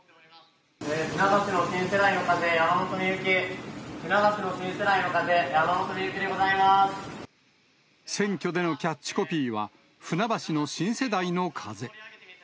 船橋の新世代の風、山本深雪、船橋の新世代の風、山本深雪でご選挙でのキャッチコピーは、船橋の新世代の風。